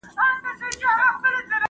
ملګرتیا بې وفا نه وي.